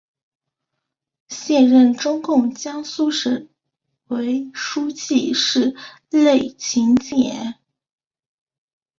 现任中共江苏省委书记是娄勤俭。